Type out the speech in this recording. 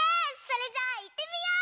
それじゃあいってみよう！